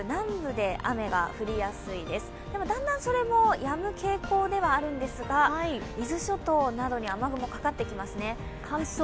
でも、だんだんそれも、やむ傾向ではあるんですが、伊豆諸島などに雨雲かかってきますね。